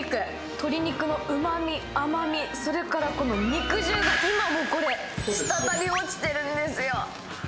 鶏肉のうまみ、甘み、それからこの肉汁が今もこれ、したたり落ちてるんですよ。